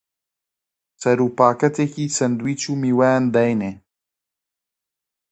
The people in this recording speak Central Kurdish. سەر و پاکەتێکی سەندویچ و میوەیان داینێ